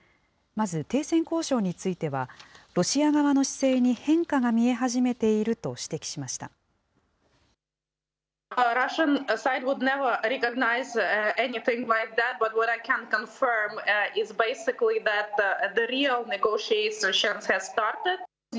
まず停戦交渉については、ロシア側の姿勢に変化が見え始めていると指摘しました。